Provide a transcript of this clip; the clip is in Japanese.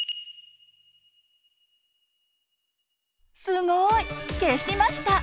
すごい！消しました。